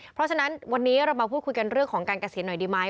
เพราะฉะนั้นวันนี้เรามาพูดคุยกันเรื่องของการเกษียณหน่อยดีไหม